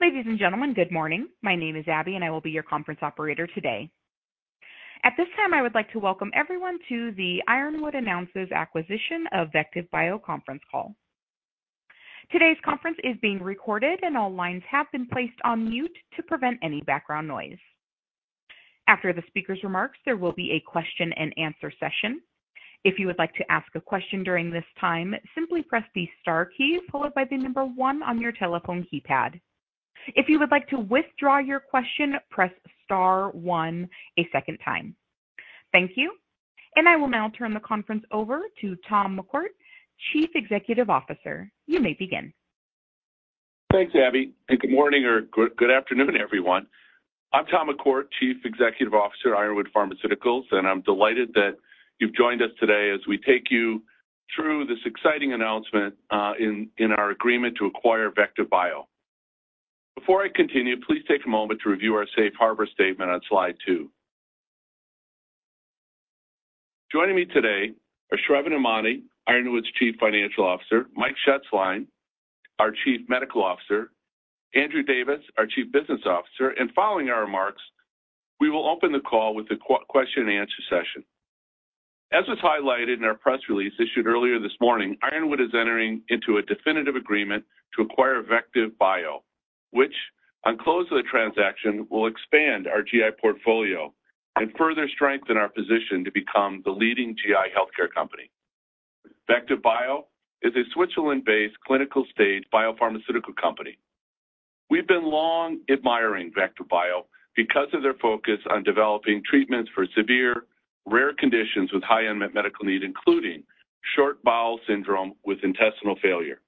Ladies and gentlemen, good morning. My name is Abby. I will be your conference operator today. At this time, I would like to welcome everyone to the conference call. Today's conference is being recorded. All lines have been placed on mute to prevent any background noise. After the speaker's remarks, there will be a question-and-answer session. If you would like to ask a question during this time, simply press the star key followed by one on your telephone keypad. If you would like to withdraw your question, press star-one a second time. Thank you. I will now turn the conference over to Tom McCourt, Chief Executive Officer. You may begin. Thanks, Abby, and good afternoon, everyone. I'm Tom McCourt, Chief Executive Officer at Ironwood Pharmaceuticals, and I'm delighted that you've joined us today as we take you through this exciting announcement in our agreement to acquire VectivBio. Before I continue, please take a moment to review our Safe Harbor statement on slide 2. Joining me today are Sravan Emany, Ironwood's Chief Financial Officer, Michael Shetzline, our Chief Medical Officer, Andrew Davis, our Chief Business Officer, and following our remarks, we will open the call with a question-and-answer session. As was highlighted in our press release issued earlier this morning, Ironwood is entering into a definitive agreement to acquire VectivBio, which on close of the transaction, will expand our GI portfolio and further strengthen our position to become the leading GI healthcare company. VectivBio is a Switzerland-based clinical-stage biopharmaceutical company. We've been long admiring VectivBio because of their focus on developing treatments for severe rare conditions with high unmet medical need, including short bowel syndrome with intestinal failure.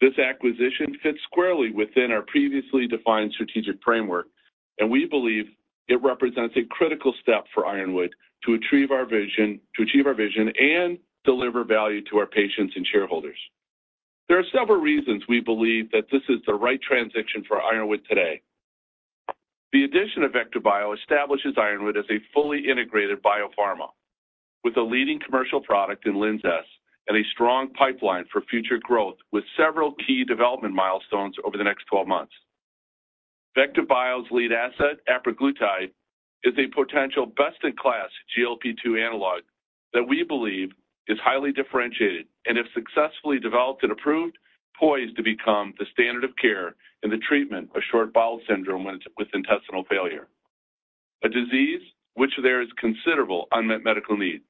This acquisition fits squarely within our previously defined strategic framework, and we believe it represents a critical step for Ironwood to achieve our vision and deliver value to our patients and shareholders. There are several reasons we believe that this is the right transition for Ironwood today. The addition of VectivBio establishes Ironwood as a fully integrated biopharma with a leading commercial product in LINZESS and a strong pipeline for future growth with several key development milestones over the next 12 months. VectivBio's lead asset, apraglutide, is a potential best-in-class GLP-2 analog that we believe is highly differentiated and, if successfully developed and approved, poised to become the standard of care in the treatment of short bowel syndrome with intestinal failure, a disease which there is considerable unmet medical need.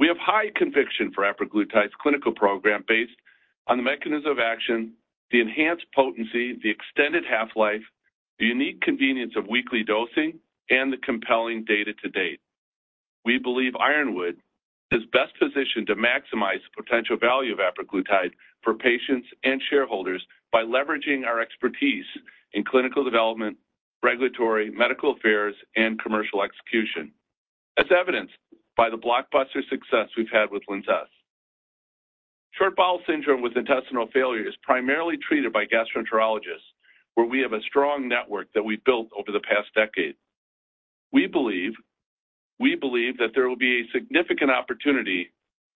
We have high conviction for apraglutide's clinical program based on the mechanism of action, the enhanced potency, the extended half-life, the unique convenience of weekly dosing, and the compelling data to date. We believe Ironwood is best positioned to maximize the potential value of apraglutide for patients and shareholders by leveraging our expertise in clinical development, regulatory, medical affairs, and commercial execution, as evidenced by the blockbuster success we've had with Linzess. Short bowel syndrome with intestinal failure is primarily treated by gastroenterologists, where we have a strong network that we've built over the past decade. We believe that there will be a significant opportunity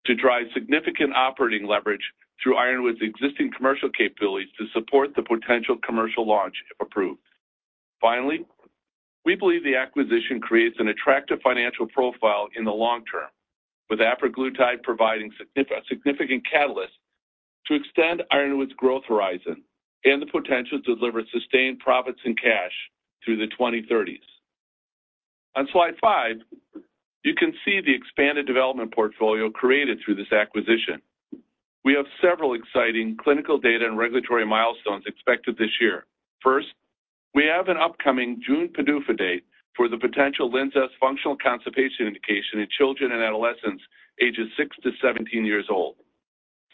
to drive significant operating leverage through Ironwood's existing commercial capabilities to support the potential commercial launch if approved. Finally, we believe the acquisition creates an attractive financial profile in the long-term, with apraglutide providing significant catalyst to extend Ironwood's growth horizon and the potential to deliver sustained profits and cash through the 2030s. On slide 5, you can see the expanded development portfolio created through this acquisition. We have several exciting clinical data and regulatory milestones expected this year. First, we have an upcoming June PDUFA date for the potential Linzess functional constipation indication in children and adolescents ages 6 to 17 years old.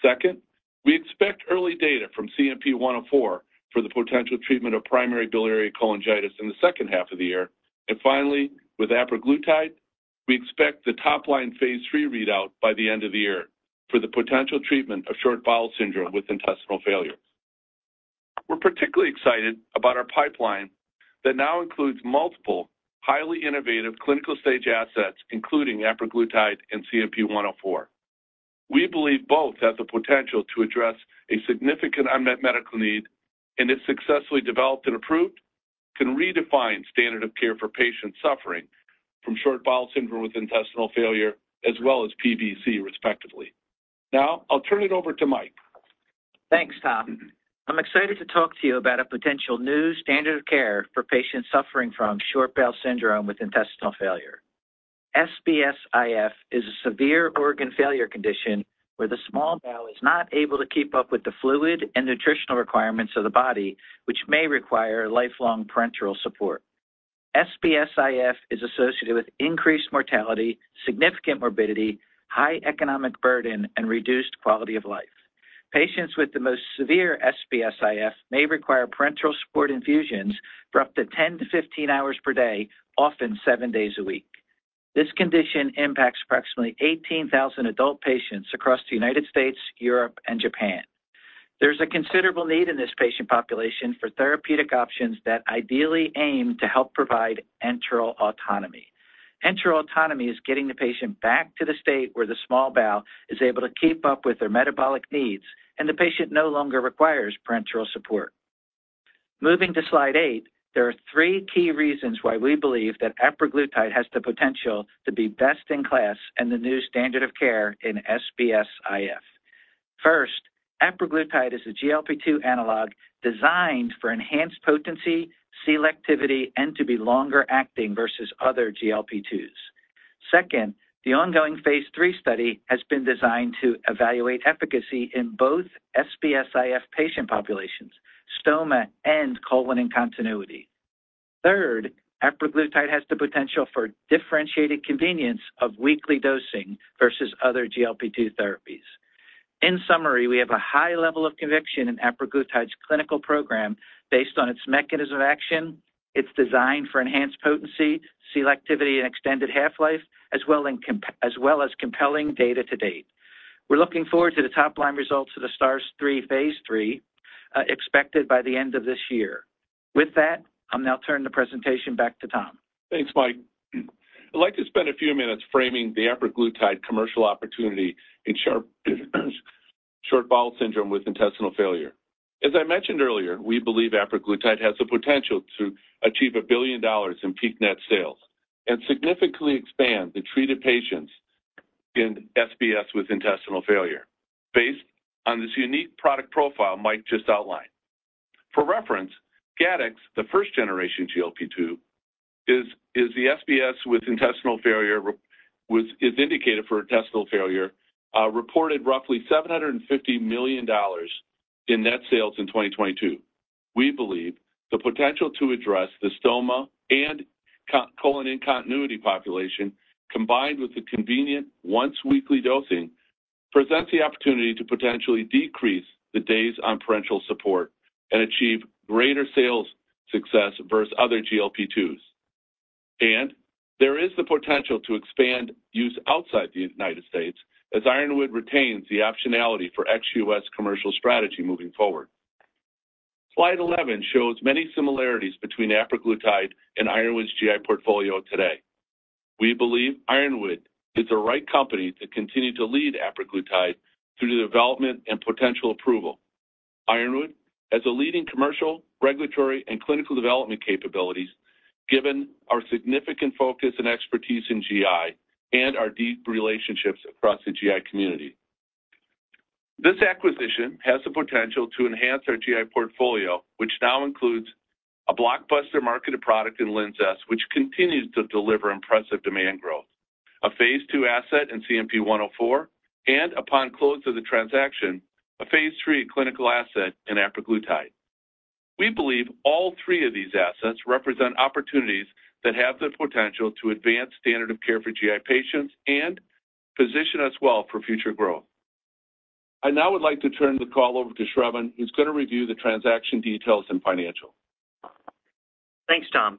Second, we expect early data from CNP-104 for the potential treatment of primary biliary cholangitis in the second half of the year. Finally, with apraglutide, we expect the top-line phase III readout by the end of the year for the potential treatment of short bowel syndrome with intestinal failure. We're particularly excited about our pipeline that now includes multiple highly innovative clinical stage assets, including apraglutide and CNP-104. We believe both have the potential to address a significant unmet medical need and, if successfully developed and approved, can redefine standard of care for patients suffering from short bowel syndrome with intestinal failure as well as PBC, respectively. I'll turn it over to Mike. Thanks, Tom. I'm excited to talk to you about a potential new standard of care for patients suffering from short bowel syndrome with intestinal failure. SBS-IF is a severe organ failure condition where the small bowel is not able to keep up with the fluid and nutritional requirements of the body, which may require lifelong parenteral support. SBS-IF is associated with increased mortality, significant morbidity, high economic burden, and reduced quality of life. Patients with the most severe SBS-IF may require parenteral support infusions for up to 10-15 hours per day, often seven days a week. This condition impacts approximately 18,000 adult patients across the United States, Europe, and Japan. There's a considerable need in this patient population for therapeutic options that ideally aim to help provide enteral autonomy. Enteral autonomy is getting the patient back to the state where the small bowel is able to keep up with their metabolic needs, and the patient no longer requires parenteral support. Moving to slide 8, there are three key reasons why we believe that apraglutide has the potential to be best in class and the new standard of care in SBS-IF. First, apraglutide is a GLP-2 analog designed for enhanced potency, selectivity, and to be longer-acting versus other GLP-2s. Second, the ongoing phase III study has been designed to evaluate efficacy in both SBS-IF patient populations, stoma and colon-in-continuity. Third, apraglutide has the potential for differentiated convenience of weekly dosing versus other GLP-2 therapies. In summary, we have a high level of conviction in apraglutide's clinical program based on its mechanism of action, it's designed for enhanced potency, selectivity, and extended half-life, as well as compelling data to date. We're looking forward to the top-line results of the STARS-3, phase III, expected by the end of this year. With that, I'll now turn the presentation back to Tom. Thanks, Mike. I'd like to spend a few minutes framing the apraglutide commercial opportunity in short bowel syndrome with intestinal failure. As I mentioned earlier, we believe apraglutide has the potential to achieve $1 billion in peak net sales and significantly expand the treated patients in SBS with intestinal failure based on this unique product profile Mike just outlined. For reference, GATTEX, the first generation GLP-2, is the SBS with intestinal failure is indicated for intestinal failure, reported roughly $750 million in net sales in 2022. We believe the potential to address the stoma and colon-in-continuity population, combined with the convenient once-weekly dosing, presents the opportunity to potentially decrease the days on parenteral support and achieve greater sales success versus other GLP-2s. There is the potential to expand use outside the United States as Ironwood retains the optionality for ex-U.S. commercial strategy moving forward. Slide 11 shows many similarities between apraglutide and Ironwood's GI portfolio today. We believe Ironwood is the right company to continue to lead apraglutide through the development and potential approval. Ironwood, as a leading commercial, regulatory, and clinical development capabilities, given our significant focus and expertise in GI and our deep relationships across the GI community. This acquisition has the potential to enhance our GI portfolio, which now includes a blockbuster marketed product in Linzess, which continues to deliver impressive demand growth, a phase II asset in CNP-104, and upon close of the transaction, a phase III clinical asset in apraglutide. We believe all three of these assets represent opportunities that have the potential to advance standard of care for GI patients and position us well for future growth. I now would like to turn the call over to Shravan, who's going to review the transaction details and financial. Thanks, Tom.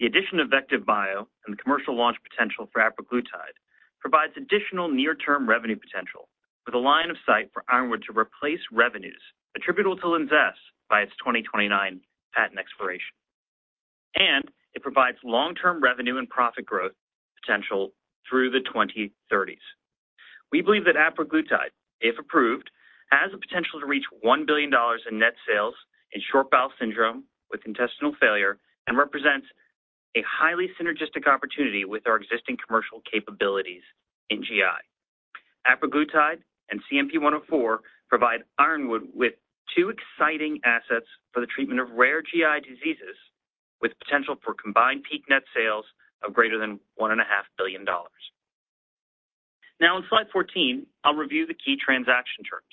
The addition of VectivBio and the commercial launch potential for apraglutide provides additional near-term revenue potential with a line of sight for Ironwood to replace revenues attributable to LINZESS by its 2029 patent expiration. It provides long-term revenue and profit growth potential through the 2030s. We believe that apraglutide, if approved, has the potential to reach $1 billion in net sales in short bowel syndrome with intestinal failure and represents a highly synergistic opportunity with our existing commercial capabilities in GI. Apraglutide and CNP-104 provide Ironwood with two exciting assets for the treatment of rare GI diseases with potential for combined peak net sales of greater than $1.5 billion. On slide 14, I'll review the key transaction terms.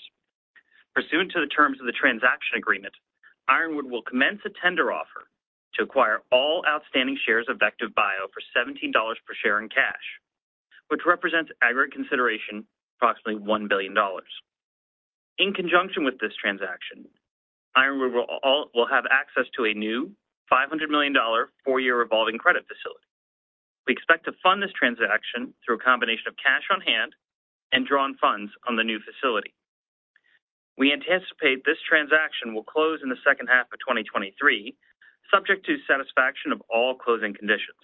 Pursuant to the terms of the transaction agreement, Ironwood will commence a tender offer to acquire all outstanding shares of VectivBio for $17 per share in cash, which represents aggregate consideration approximately $1 billion. In conjunction with this transaction, Ironwood will have access to a new $500 million four-year revolving credit facility. We expect to fund this transaction through a combination of cash on hand and drawn funds on the new facility. We anticipate this transaction will close in the second half of 2023, subject to satisfaction of all closing conditions,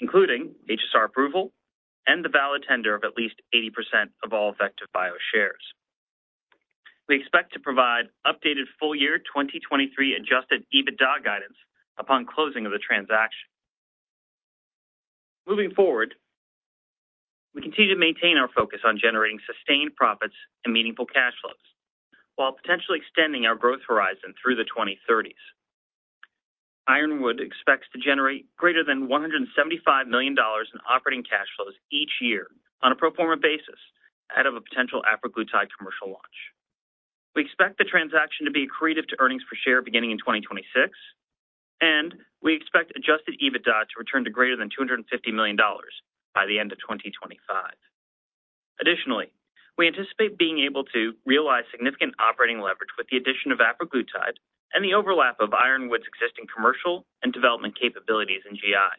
including HSR approval and the valid tender of at least 80% of all VectivBio shares. We expect to provide updated full year 2023 adjusted EBITDA guidance upon closing of the transaction. Moving forward, we continue to maintain our focus on generating sustained profits and meaningful cash flows while potentially extending our growth horizon through the 2030s. Ironwood expects to generate greater than $175 million in operating cash flows each year on a pro forma basis ahead of a potential apraglutide commercial launch. We expect the transaction to be accretive to earnings per share beginning in 2026, and we expect adjusted EBITDA to return to greater than $250 million by the end of 2025. We anticipate being able to realize significant operating leverage with the addition of apraglutide and the overlap of Ironwood's existing commercial and development capabilities in GI.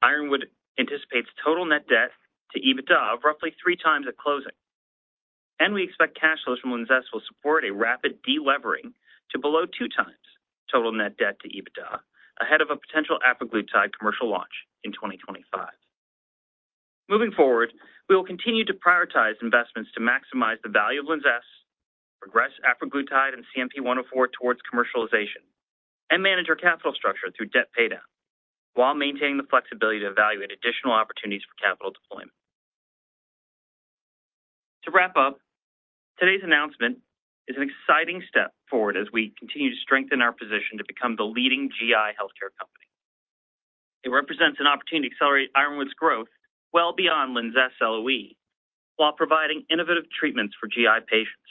Ironwood anticipates total net debt to EBITDA of roughly 3x at closing, and we expect cash flows from Linzess will support a rapid delevering to below 2x total net debt to EBITDA ahead of a potential apraglutide commercial launch in 2025. Moving forward, we will continue to prioritize investments to maximize the value of Linzess, progress apraglutide and CNP-104 towards commercialization, and manage our capital structure through debt paydown, while maintaining the flexibility to evaluate additional opportunities for capital deployment. To wrap up, today's announcement is an exciting step forward as we continue to strengthen our position to become the leading GI healthcare company. It represents an opportunity to accelerate Ironwood's growth well beyond Linzess LOE, while providing innovative treatments for GI patients.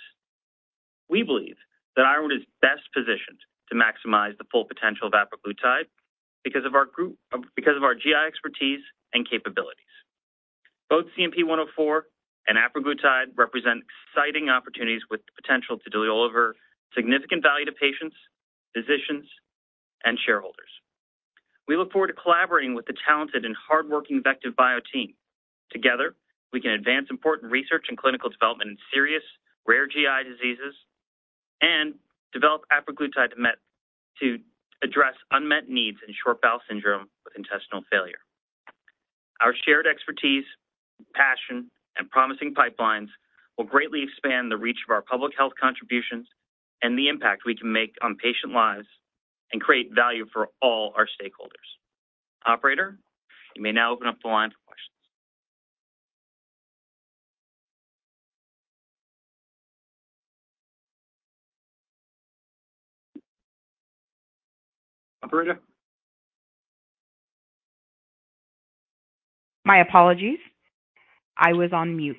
We believe that Ironwood is best positioned to maximize the full potential of apraglutide because of our GI expertise and capabilities. Both CNP-104 and apraglutide represent exciting opportunities with the potential to deliver significant value to patients, physicians, and shareholders. We look forward to collaborating with the talented and hardworking VectivBio team. Together, we can advance important research and clinical development in serious, rare GI diseases and develop apraglutide to address unmet needs in short bowel syndrome with intestinal failure. Our shared expertise, passion, and promising pipelines will greatly expand the reach of our public health contributions and the impact we can make on patient lives and create value for all our stakeholders. Operator, you may now open up the line for questions. Operator? My apologies. I was on mute.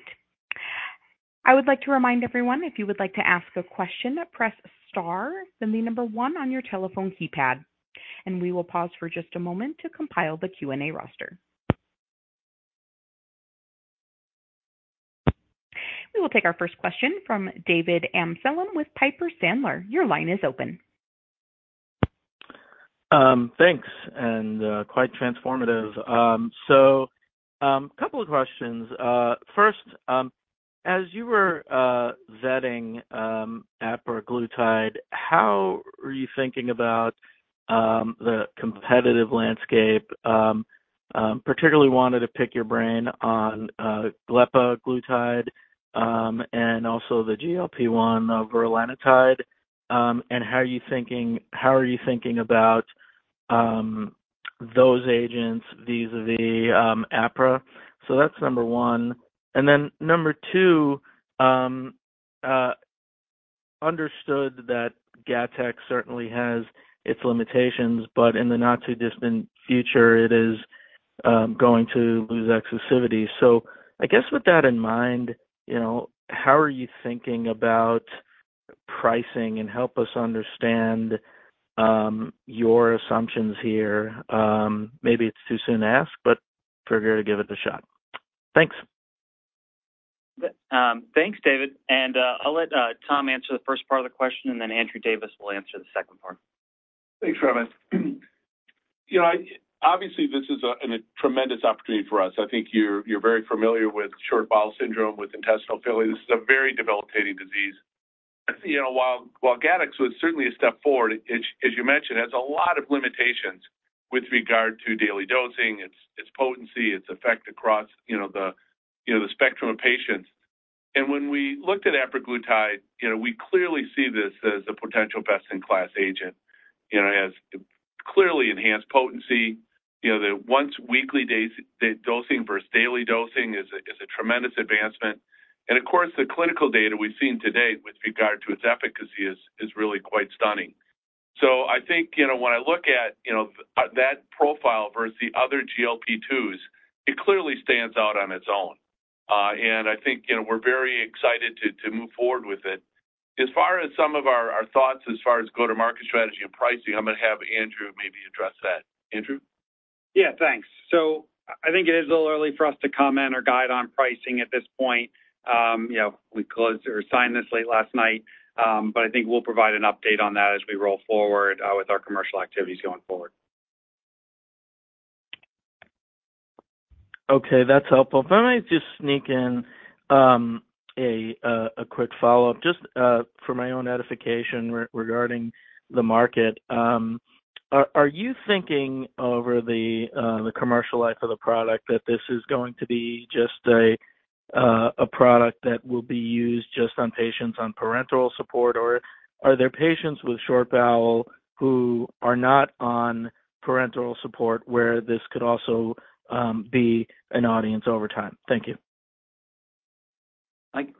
I would like to remind everyone, if you would like to ask a question, press star, then one on your telephone keypad. We will pause for just a moment to compile the Q&A roster. We will take our first question from David Amsellem with Piper Sandler. Your line is open. Thanks, quite transformative. A couple of questions. First, as you were vetting apraglutide, how are you thinking about the competitive landscape? Particularly wanted to pick your brain on glepaglutide, and also the GLP-1, dapiglutide, and how are you thinking about those agents vis-a-vis apraglutide? That's number one. Number two, understood that GATTEX certainly has its limitations, but in the not-too-distant future, it is going to lose exclusivity. I guess with that in mind, you know, how are you thinking about pricing? Help us understand your assumptions here. Maybe it's too soon to ask, but figured I'd give it a shot. Thanks. Thanks, David. I'll let Tom answer the first part of the question, and then Andrew Davis will answer the second part. Thanks, David. You know, obviously, this is a tremendous opportunity for us. I think you're very familiar with short bowel syndrome, with intestinal failure. This is a very debilitating disease. You know, while GATTEX was certainly a step forward, it, as you mentioned, has a lot of limitations with regard to daily dosing, its potency, its effect across you know, the spectrum of patients. When we looked at apraglutide, you know, we clearly see this as a potential best-in-class agent. You know, it has clearly enhanced potency. You know, the once weekly dosing versus daily dosing is a tremendous advancement. Of course, the clinical data we've seen to date with regard to its efficacy is really quite stunning. I think, you know, that profile versus the other GLP-2s, it clearly stands out on its own. I think, you know, we're very excited to move forward with it. As far as some of our thoughts as far as go-to-market strategy and pricing, I'm going to have Andrew maybe address that. Andrew? Yeah, thanks. I think it is a little early for us to comment or guide on pricing at this point. You know, we closed or signed this late last night. I think we'll provide an update on that as we roll forward with our commercial activities going forward. Okay, that's helpful. If I might just sneak in, a quick follow-up just for my own edification regarding the market? Are you thinking over the commercial life of the product that this is going to be just a product that will be used just on patients on parenteral support, or are there patients with short bowel who are not on parenteral support where this could also be an audience over time? Thank you. Mike?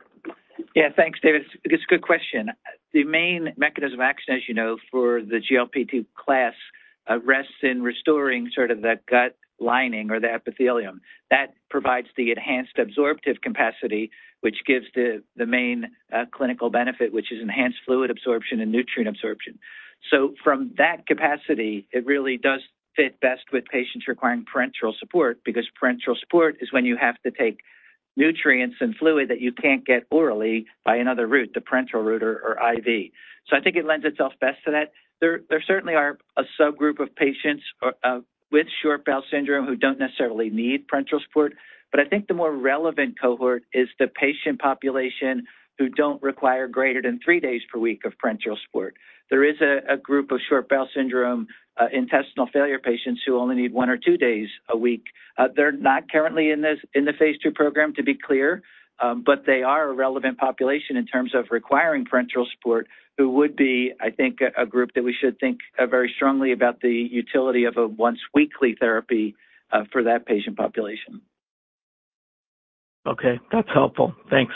Yeah, thanks, David. It's a good question. The main mechanism of action, as you know, for the GLP-2 class rests in restoring sort of the gut lining or the epithelium. That provides the enhanced absorptive capacity, which gives the main clinical benefit, which is enhanced fluid absorption and nutrient absorption. From that capacity, it really does fit best with patients requiring parenteral support because parenteral support is when you have to take nutrients and fluid that you can't get orally by another route, the parenteral route or IV. I think it lends itself best to that. There certainly are a subgroup of patients with short bowel syndrome who don't necessarily need parenteral support, but I think the more relevant cohort is the patient population who don't require greater than three days per week of parenteral support. There is a group of short bowel syndrome, intestinal failure patients who only need one or two days a week. They're not currently in the phase two program, to be clear, but they are a relevant population in terms of requiring parenteral support who would be, I think, a group that we should think very strongly about the utility of a once weekly therapy for that patient population. Okay, that's helpful. Thanks.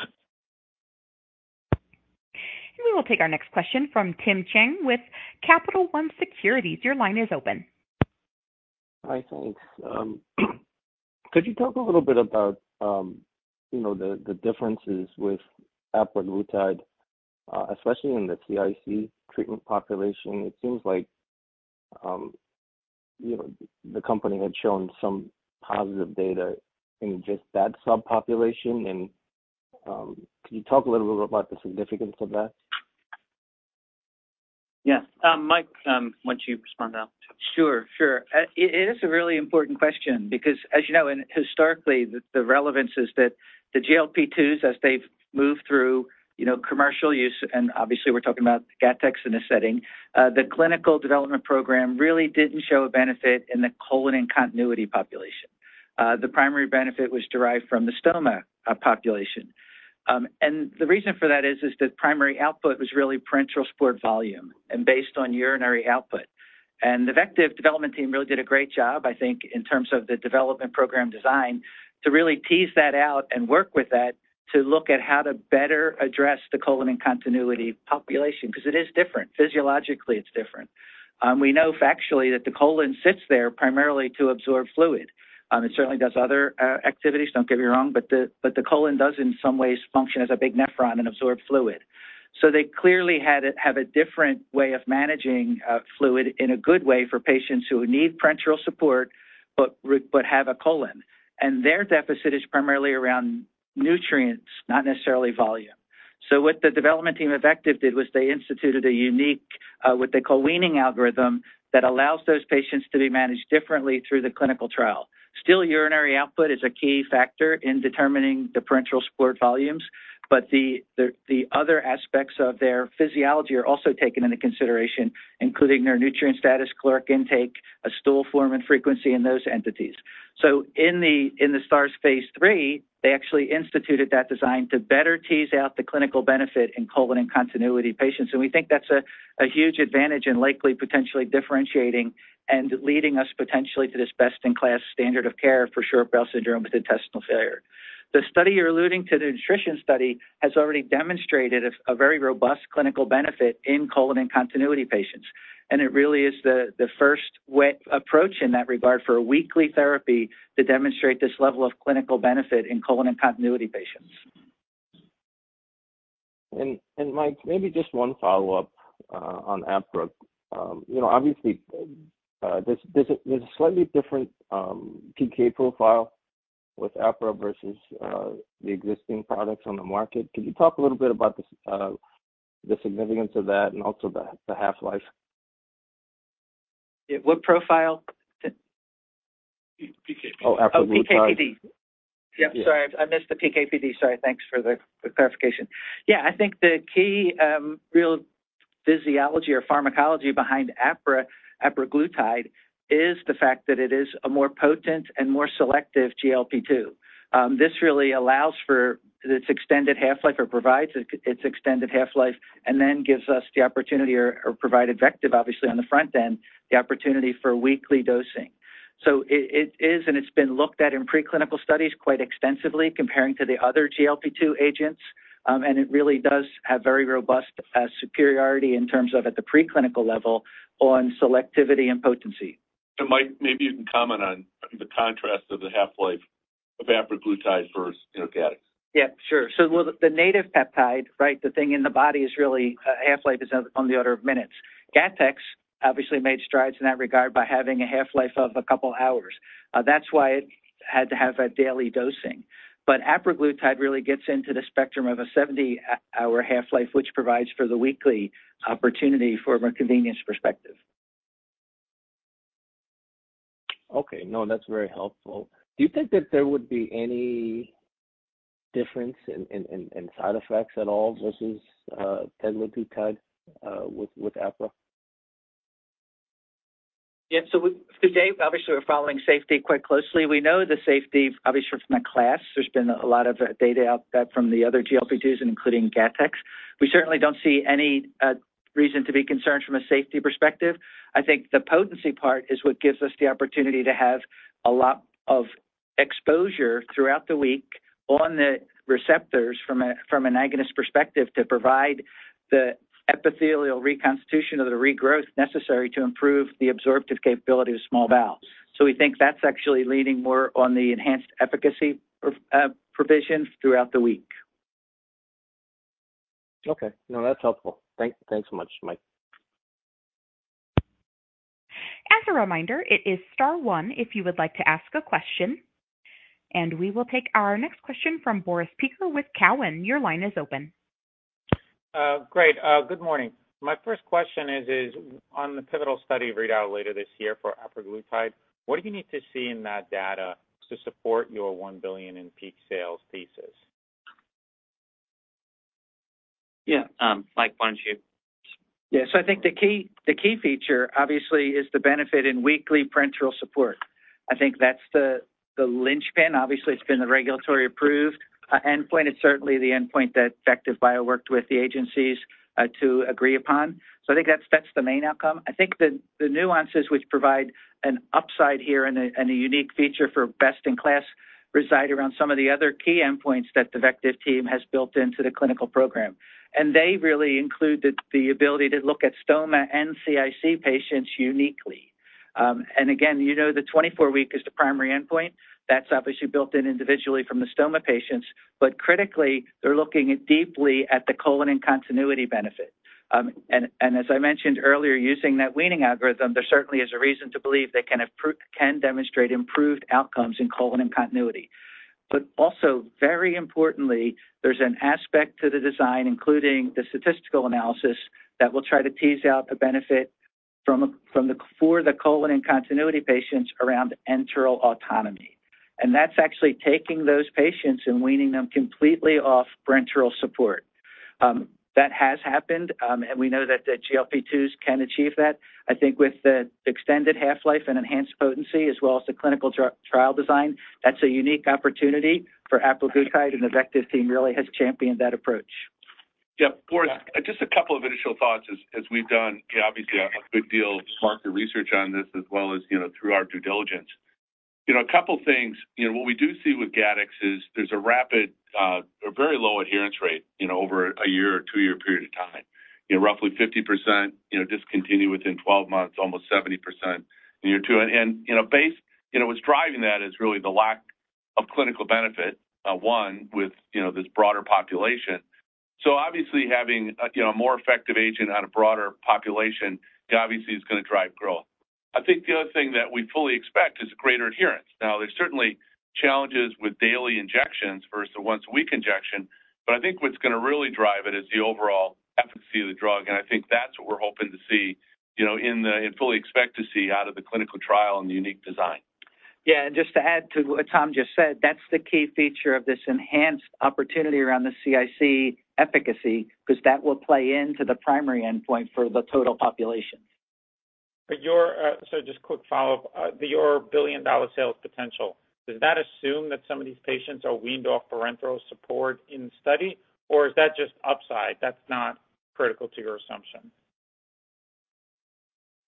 We will take our next question from Tim Chiang with Capital One Securities. Your line is open. Hi, thanks. Could you talk a little bit about, you know, the differences with apraglutide, especially in the CIC treatment population? It seems like, you know, the company had shown some positive data in just that subpopulation. Can you talk a little bit about the significance of that? Yes. Mike, why don't you respond to that? Sure, sure. It is a really important question because as you know, and historically, the relevance is that the GLP-2s as they've moved through, you know, commercial use, and obviously we're talking about GATTEX in this setting, the clinical development program really didn't show a benefit in the colon-in-continuity population. The primary benefit was derived from the stoma population. The reason for that is, the primary output was really parenteral support volume and based on urinary output. The VectivBio development team really did a great job, I think, in terms of the development program design to really tease that out and work with that to look at how to better address the colon-in-continuity population because it is different. Physiologically, it's different. We know factually that the colon sits there primarily to absorb fluid. It certainly does other activities, don't get me wrong, but the colon does, in some ways, function as a big nephron and absorb fluid. They clearly have a different way of managing fluid in a good way for patients who need parenteral support but have a colon. Their deficit is primarily around nutrients, not necessarily volume. What the development team of VectivBio did was they instituted a unique what they call weaning algorithm that allows those patients to be managed differently through the clinical trial. Still, urinary output is a key factor in determining the parenteral support volumes, but the other aspects of their physiology are also taken into consideration, including their nutrient status, caloric intake, stool form, and frequency in those entities. In the STARS phase III, they actually instituted that design to better tease out the clinical benefit in colon-in-continuity patients. We think that's a huge advantage in likely potentially differentiating and leading us potentially to this best-in-class standard of care for short bowel syndrome with intestinal failure. The study you're alluding to, the nutrition study, has already demonstrated a very robust clinical benefit in colon-in-continuity patients. It really is the first wet approach in that regard for a weekly therapy to demonstrate this level of clinical benefit in colon-in-continuity patients. Mike, maybe just one follow-up on apraglutide. You know, obviously, there's a slightly different PK profile with apraglutide versus the existing products on the market. Can you talk a little bit about the significance of that and also the half-life? Yeah. What profile? PKPD. Oh, apraglutide. Oh, PKPD. Yeah, sorry. I missed the PKPD. Sorry. Thanks for the clarification. I think the key real physiology or pharmacology behind apraglutide is the fact that it is a more potent and more selective GLP-2. This really allows for its extended half-life or provides its extended half-life, and then gives us the opportunity or provided VectivBio obviously on the front end, the opportunity for weekly dosing. It is, and it's been looked at in preclinical studies quite extensively comparing to the other GLP-2 agents. It really does have very robust superiority in terms of at the preclinical level on selectivity and potency. Mike, maybe you can comment on the contrast of the half-life of apraglutide versus, you know, GATTEX. Yeah, sure. The, the native peptide, right, the thing in the body is really, half-life is on the order of minutes. GATTEX obviously made strides in that regard by having a half-life of 2 hours. That's why it had to have a daily dosing. Apraglutide really gets into the spectrum of a 70-hour half-life, which provides for the weekly opportunity from a convenience perspective. Okay. No, that's very helpful. Do you think that there would be any difference in side effects at all versus teduglutide with apraglutide? To date, obviously, we're following safety quite closely. We know the safety, obviously, from that class. There's been a lot of data out that from the other GLP-2s, including GATTEX. We certainly don't see any reason to be concerned from a safety perspective. I think the potency part is what gives us the opportunity to have a lot of exposure throughout the week on the receptors from an agonist perspective to provide the epithelial reconstitution of the regrowth necessary to improve the absorptive capability of small bowel. We think that's actually leaning more on the enhanced efficacy of provisions throughout the week. Okay. No, that's helpful. Thanks so much, Mike. As a reminder, it is star-one if you would like to ask a question. We will take our next question from Boris Peaker with Cowen. Your line is open. Great. Good morning. My first question is on the pivotal study readout later this year for apraglutide, what do you need to see in that data to support your $1 billion in peak sales thesis? Yeah, Mike, why don't you? Yeah. I think the key, the key feature, obviously, is the benefit in weekly parenteral support. I think that's the linchpin. Obviously, it's been the regulatory approved endpoint. It's certainly the endpoint that VectivBio worked with the agencies to agree upon. I think that's the main outcome. I think the nuances which provide an upside here and a unique feature for best-in-class reside around some of the other key endpoints that the VectivBio team has built into the clinical program. They really include the ability to look at stoma and CIC patients uniquely. And again, you know, the 24-week is the primary endpoint. That's obviously built in individually from the stoma patients. Critically, they're looking deeply at the colon-in-continuity benefit. As I mentioned earlier, using that weaning algorithm, there certainly is a reason to believe they can demonstrate improved outcomes in colon-in-continuity. Very importantly, there's an aspect to the design, including the statistical analysis, that will try to tease out the benefit for the colon-in-continuity patients around enteral autonomy. That's actually taking those patients and weaning them completely off parenteral support. That has happened, we know that the GLP-2s can achieve that. I think with the extended half-life and enhanced potency, as well as the clinical trial design, that's a unique opportunity for apraglutide, the VectivBio team really has championed that approach. Yeah. Boris, just a couple of initial thoughts as we've done obviously a good deal of market research on this as well as, you know, through our due diligence. You know, a couple things. You know, what we do see with GATTEX is there's a rapid or very low adherence rate, you know, over a year or two-year period of time. You know, roughly 50%, you know, discontinue within 12 months, almost 70% in year two. You know, what's driving that is really the lack of clinical benefit, one, with, you know, this broader population. Obviously having a, you know, more effective agent on a broader population obviously is gonna drive growth. I think the other thing that we fully expect is greater adherence. Now, there's certainly challenges with daily injections versus a once-a-week injection, but I think what's gonna really drive it is the overall efficacy of the drug, and I think that's what we're hoping to see, you know, and fully expect to see out of the clinical trial and the unique design. Yeah. Just to add to what Tom just said, that's the key feature of this enhanced opportunity around the CIC efficacy, because that will play into the primary endpoint for the total population. Just quick follow-up. your billion-dollar sales potential, does that assume that some of these patients are weaned off parenteral support in the study, or is that just upside that's not critical to your assumption?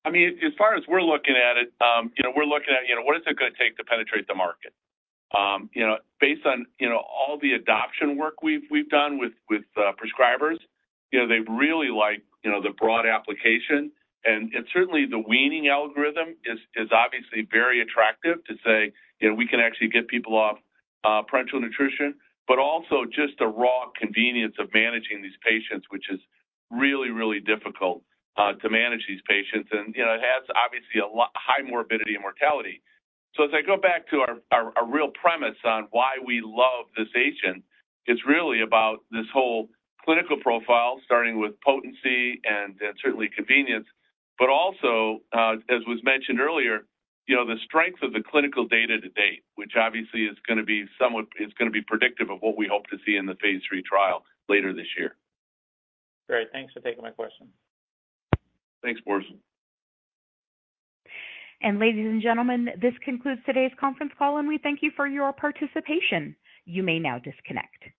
I mean, as far as we're looking at it, you know, we're looking at, you know, what is it gonna take to penetrate the market? You know, based on, you know, all the adoption work we've done with prescribers, you know, they really like, you know, the broad application. Certainly the weaning algorithm is obviously very attractive to say, you know, we can actually get people off parenteral nutrition, but also just the raw convenience of managing these patients, which is really difficult to manage these patients. It has obviously high morbidity and mortality. As I go back to our real premise on why we love this agent, it's really about this whole clinical profile, starting with potency and certainly convenience, but also, as was mentioned earlier, you know, the strength of the clinical data to date, which obviously is going to be predictive of what we hope to see in the phase III trial later this year. Great. Thanks for taking my question. Thanks, Boris. Ladies and gentlemen, this concludes today's conference call, and we thank you for your participation. You may now disconnect.